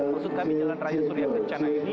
maksud kami jalan raya siringwangi ini